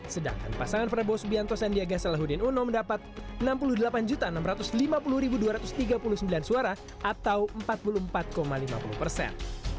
sedangkan pasangan prabowo subianto sandiaga salahuddin uno mendapat enam puluh delapan enam ratus lima puluh dua ratus tiga puluh sembilan suara atau empat puluh empat lima puluh persen